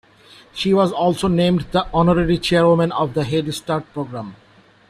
She was also named the honorary chairwoman of the Head Start program.